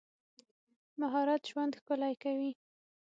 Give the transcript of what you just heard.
مهارت ژوند ښکلی کوي.